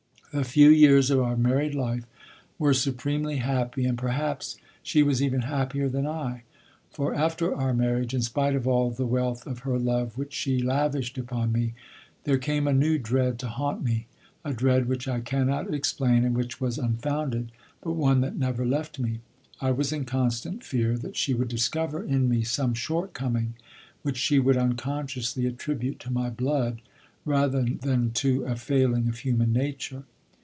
The few years of our married life were supremely happy, and perhaps she was even happier than I; for after our marriage, in spite of all the wealth of her love which she lavished upon me, there came a new dread to haunt me, a dread which I cannot explain and which was unfounded, but one that never left me. I was in constant fear that she would discover in me some shortcoming which she would unconsciously attribute to my blood rather than to a failing of human nature.